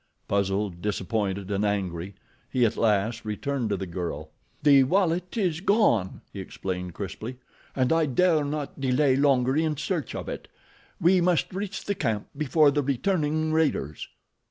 Puzzled, disappointed and angry, he at last returned to the girl. "The wallet is gone," he explained, crisply, "and I dare not delay longer in search of it. We must reach the camp before the returning raiders."